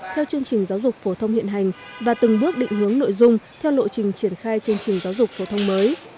theo chương trình giáo dục phổ thông hiện hành và từng bước định hướng nội dung theo lộ trình triển khai chương trình giáo dục phổ thông mới